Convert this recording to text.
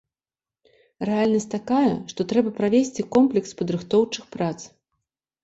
Рэальнасць такая, што трэба правесці комплекс падрыхтоўчых прац.